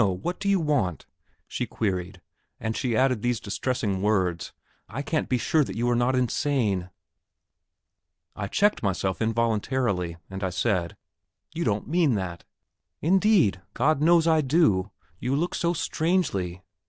what do you want?" she queried, and she added these distressing words, "I can't be sure that you are not insane!" I checked myself involuntarily, and I said: "You don't mean that!" "Indeed, God knows I do! you look so strangely.